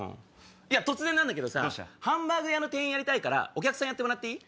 突然なんだけどさハンバーグ屋の店員やりたいからお客さんやってもらっていい？